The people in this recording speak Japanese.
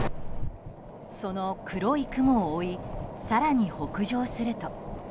その黒い雲を追い更に北上すると。